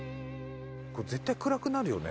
これ絶対暗くなるよね